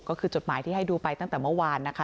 ก็คือจดหมายที่ให้ดูไปตั้งแต่เมื่อวานนะคะ